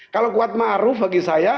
kalau kuat ma'ruf bagi saya